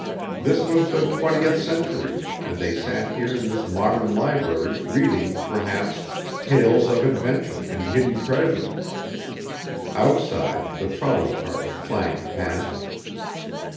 This was the twentieth century, and they sat here in this modern library reading, perhaps, tales of adventure and hidden treasure. Outside, the trolley cars clanged past.